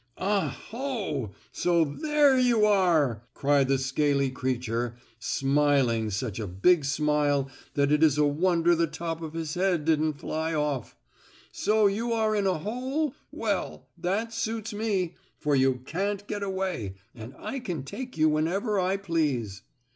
"Ah, ho! So there you are!" cried the scaly creature, smiling such a big smile that it is a wonder the top of his head didn't fly off. "So you are in a hole? Well, that suits me, for you can't get away, and I can take you whenever I please.